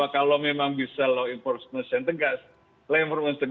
kalau memang bisa law enforcement yang tegas